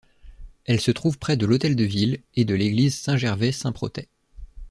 Elle se trouve près de l'Hôtel de Ville et de l'église Saint-Gervais-Saint-Protais.